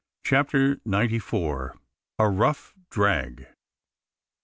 CHAPTER NINETY FOUR. A ROUGH DRAG.